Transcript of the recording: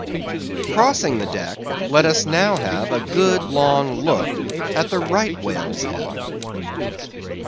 Crossing the deck, let us now have a good long look at the Right Whale's head.